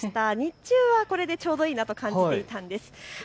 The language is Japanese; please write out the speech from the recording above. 日中はこれでちょうどいいなと感じていたんです。